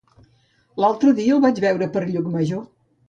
L'altre dia el vaig veure per Llucmajor.